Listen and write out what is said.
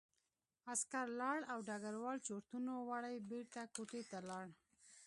عسکر لاړ او ډګروال چورتونو وړی بېرته کوټې ته لاړ